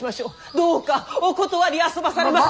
どうかお断りあそばされませ！